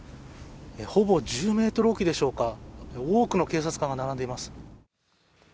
ほぼ１０ｍ置きでしょうか、多くの警察官が並んでいます。